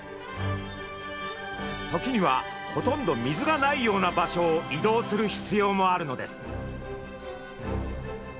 時にはほとんど水がないような場所を移動する必要もあるのです。